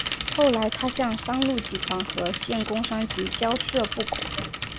后来他向三鹿集团和县工商局交涉不果。